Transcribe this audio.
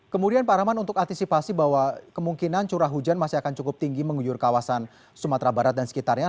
kemudian pak rahman untuk antisipasi bahwa kemungkinan curah hujan masih akan cukup tinggi mengunjur kawasan sumatera barat dan sekitarnya